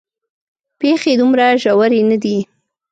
پېښې دومره ژورې نه دي.